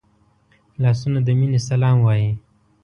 لاسونه د مینې سلام وايي